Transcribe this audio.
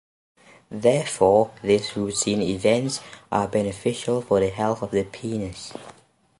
Therefore, these routine events are beneficial for the health of the penis.